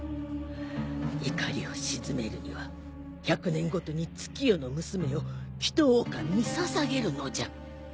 怒りを鎮めるには１００年ごとに月夜の娘をヒトオオカミに捧げるのじゃ。